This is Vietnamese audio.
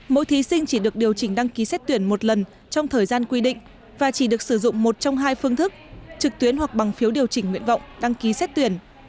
mỗi thí sinh chỉ được điều chỉnh đăng ký xét tuyển một lần trong thời gian quy định và chỉ được sử dụng một trong hai phương thức trực tuyến hoặc bằng phiếu điều chỉnh nguyện vọng đăng ký xét tuyển